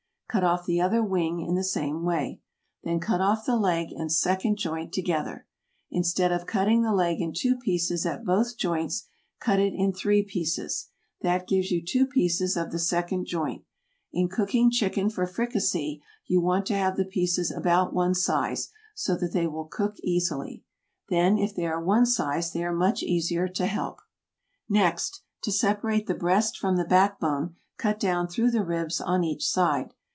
Cut off the other wing in the same way. Then cut off the leg and second joint together. Instead of cutting the leg in two pieces at both joints, cut it in three pieces, that gives you two pieces of the second joint. In cooking chicken for fricassee you want to have the pieces about one size, so that they will cook easily. Then if they are one size they are much easier to help. Next, to separate the breast from the back bone, cut down through the ribs on each side.